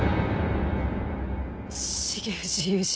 重藤雄二。